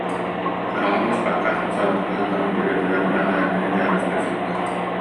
Хараҕын аспакка, хамсаабакка сытан, төбөтүгэр бэҕэһээҥҥини дьаарыстыы сытта